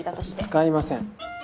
使いません。